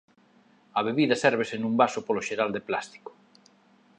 A bebida sérvese nun vaso polo xeral de plástico.